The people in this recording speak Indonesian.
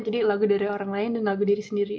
jadi lagu dari orang lain dan lagu dari diri sendiri